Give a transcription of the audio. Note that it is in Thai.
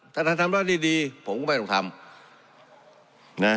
ถ้าทำได้ดีผมก็ไม่ต้องทำ